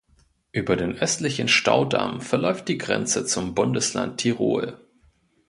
Über den östlichen Staudamm verläuft die Grenze zum Bundesland Tirol.